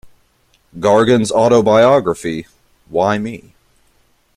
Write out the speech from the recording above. Gargan's autobiography, Why Me?